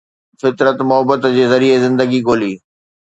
فطرت محبت جي ذريعي زندگي ڳولي